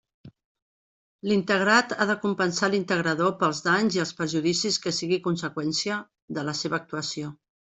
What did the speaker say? L'integrat ha de compensar l'integrador pels danys i els perjudicis que siguin conseqüència de la seva actuació.